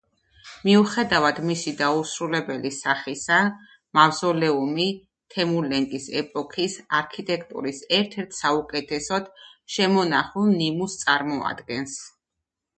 მიუხედავად მისი დაუსრულებელი სახისა, მავზოლეუმი თემურლენგის ეპოქის არქიტექტურის ერთ-ერთ საუკეთესოდ შემონახულ ნიმუშს წარმოადგენს.